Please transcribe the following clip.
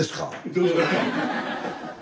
どうぞ。